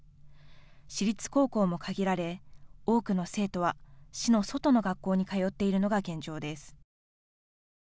私立高校も限られ多くの生徒は市の外の学校に通っているのが現状です。